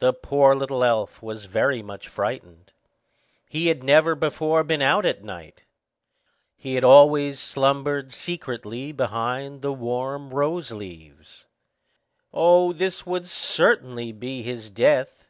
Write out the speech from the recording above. The poor little elf was very much frightened. He had never before been out at night, but had always slumbered secretly behind the warm rose leaves. Oh, this would certainly be his death.